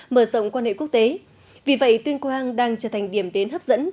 mở rộng quan hệ quốc tế vì vậy tuyên quang đang trở thành điểm đến hấp dẫn